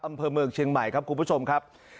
อำเภอเมืองเชียงใหม่ครับคุณผู้ชมครับ